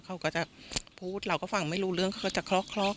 เขาก็จะพูดเราก็ฟังไม่รู้เรื่องเขาก็จะเคราะห